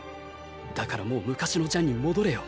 だからもう昔のジャンに戻れよ。